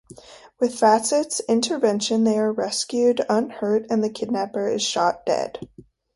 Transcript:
With Fassett's intervention they are rescued unhurt and the kidnapper is shot dead.